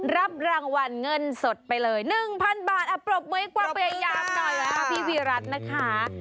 รับรางวัลเงินสดไปเลย๑๐๐๐บาทปรบมือให้กว่าเปรยามหน่อยนะครับพี่วีรัชนะคะ